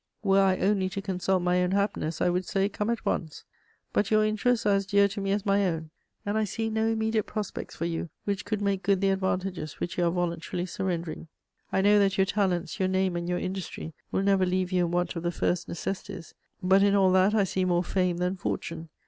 Were I only to consult my own happiness, I would say, 'Come at once.' But your interests are as dear to me as my own, and I see no immediate prospects for you which could make good the advantages which you are voluntarily surrendering. I know that your talents, your name and your industry will never leave you in want of the first necessities; but in all that I see more fame than fortune.